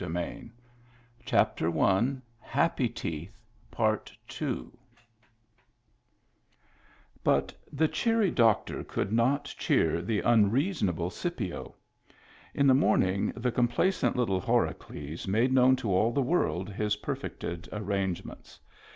Digitized by Google HAPPY TEETH 47 But the cheery doctor could not cheer the un reasonable Scipio. In the morning the compla cent little Horacles made known to all the world his perfected arrangements.